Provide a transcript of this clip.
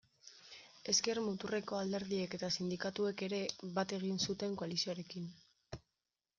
Ezker-muturreko alderdiek eta sindikatuek ere bat egin zuten koalizioarekin.